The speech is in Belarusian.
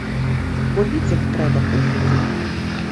Бо піць іх трэба кожны дзень.